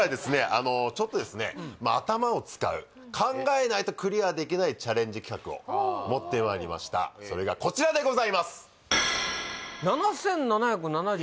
あのちょっとですね頭を使う考えないとクリアできないチャレンジ企画を持ってまいりましたそれがこちらでございます